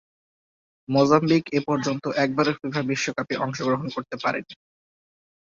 Mozambique এপর্যন্ত একবারও FIFA বিশ্বকাপে অংশগ্রহণ করতে পারেনি।